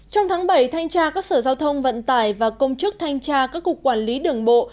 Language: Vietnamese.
trong tháng bảy thanh tra các sở giao thông vận tải và công chức thanh tra các cục quản lý đường bộ